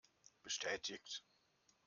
Bestätigt!